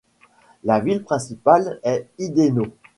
La ville principale est Idenau.